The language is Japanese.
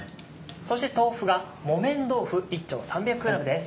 そして豆腐が木綿豆腐１丁３００ｇです。